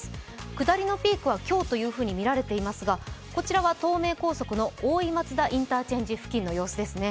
下りのピークは今日とみられていますが、こちらは東名高速の大井松田インターチェンジ付近の様子ですね。